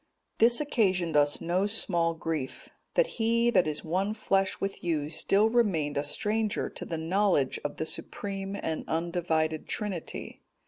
This occasioned us no small grief, that he that is one flesh with you still remained a stranger to the knowledge of the supreme and undivided Trinity.